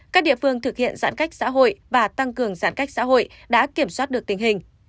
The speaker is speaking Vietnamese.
các địa phương thực hiện giãn cách xã hội và tăng cường giãn cách xã hội đã kiểm soát được tình hình